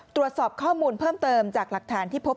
ตรวจสอบข้อมูลเพิ่มเติมจากหลักฐานที่พบ